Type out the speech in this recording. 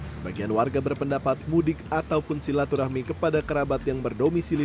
sebagian warga berpendapat mudik ataupun silaturahmi kepada kerabat yang berdomisili